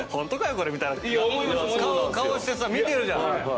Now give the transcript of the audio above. これみたいな顔してさ見てるじゃん。